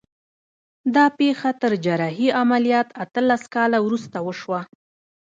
دا پېښه تر جراحي عملیات اتلس کاله وروسته وشوه